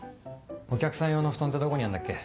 お客さん用の布団ってどこにあるんだっけ？